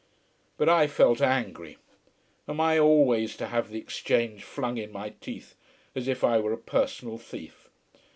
But I felt angry. Am I always to have the exchange flung in my teeth, as if I were a personal thief?